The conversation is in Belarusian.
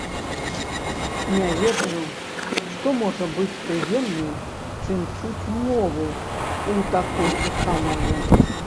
Не ведаю, што можа быць прыемней, чым чуць мову ў такой установе.